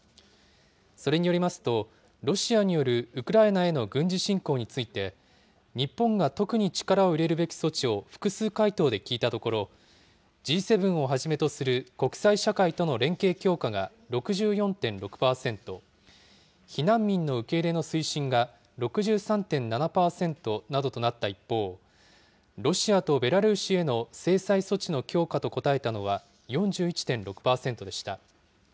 それによりますと、ロシアによるウクライナへの軍事侵攻について、日本が特に力を入れるべき措置を複数回答で聞いたところ、Ｇ７をはじめとする国際社会との連携強化が６４．６％、避難民の受け入れの推進が６３．７％などとなった一方、ロシアとベラルーシへの制裁措置の強化と答えたのは、４１．６％でした。